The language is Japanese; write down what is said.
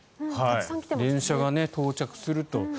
電車が到着すると。